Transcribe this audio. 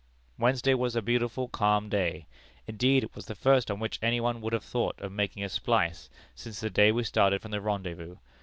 "Wednesday was a beautiful, calm day; indeed, it was the first on which any one would have thought of making a splice since the day we started from the rendezvous.